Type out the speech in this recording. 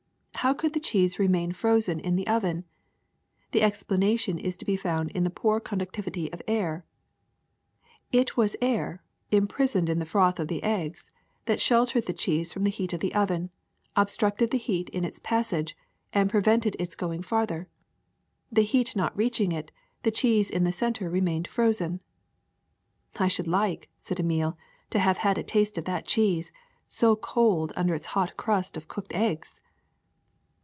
How could the cheese remain frozen in the oven? The explanation is to be found in the poor conductivity of air. It was air, imprisoned in the froth of the eggs, that shel tered the cheese from the heat of the oven, obstructed the heat in its passage, and prevented its going far ther. The heat not reaching it, the cheese in the center remained frozen." ^^I should like," said Emile, ^Ho have had a taste of that cheese, so cold under its hot crust of cooked eggs!"